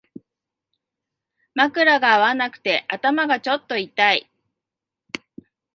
枕が合わなくて頭がちょっと痛い